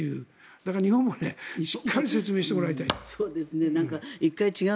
だから日本もしっかり説明してもらいたい。